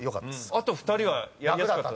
あと２人はやりやすかった。